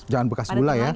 jangan bekas gula ya